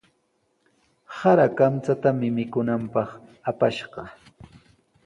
Sara kamchatami mikunanpaq apashqa.